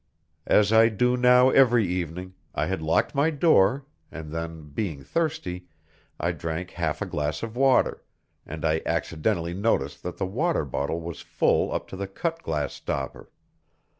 As I do now every evening, I had locked my door, and then, being thirsty, I drank half a glass of water, and I accidentally noticed that the water bottle was full up to the cut glass stopper.